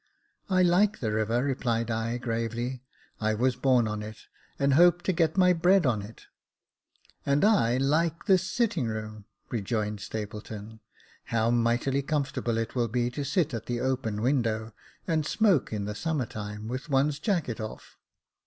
" I like the river," replied I, gravely ;I was born on it, and hope to get my bread on it." "And I like this sitting room," rejoined Stapleton; " how mighty comfortable it will be to sit at the open window, and smoke in the summer time, with one's jacket oiF